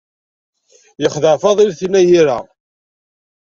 Yexdeɛ Fadil tin ay ira.